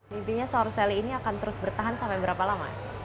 mimpinya sourcelly ini akan terus bertahan sampai berapa lama